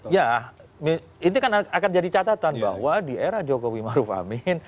ya ini kan akan jadi catatan bahwa di era jokowi maruf amin